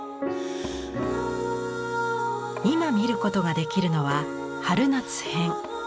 今見ることができるのは春夏編。